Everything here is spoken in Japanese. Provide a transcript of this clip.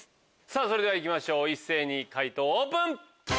それではいきましょう一斉に解答オープン！